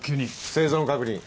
生存確認。